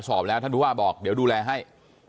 สอบแล้วท่านผู้ว่าบอกเดี๋ยวดูแลให้